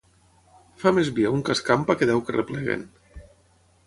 Fa més via un que escampa que deu que repleguen.